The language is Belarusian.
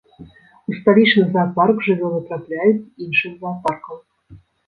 У сталічны заапарк жывёлы трапляюць з іншых заапаркаў.